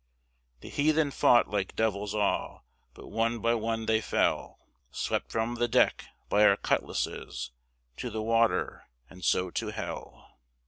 The heathen fought like devils all, But one by one they fell, Swept from the deck by our cutlasses To the water, and so to hell.